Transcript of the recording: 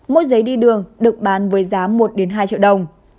mỗi giấy đi đường được bán với giá một hai triệu đồng